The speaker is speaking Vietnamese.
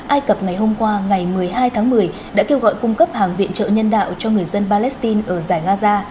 ai cập ngày hôm qua ngày một mươi hai tháng một mươi đã kêu gọi cung cấp hàng viện trợ nhân đạo cho người dân palestine ở giải gaza